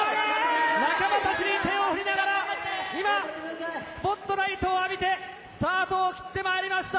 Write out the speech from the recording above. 仲間たちに手をふりながら、今スポットライトを浴びて、スタートを切ってまいりました。